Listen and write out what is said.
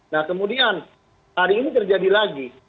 nah kemudian hari ini terjadi lagi